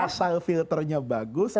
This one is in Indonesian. asal filternya bagus